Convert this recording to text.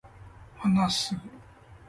話す、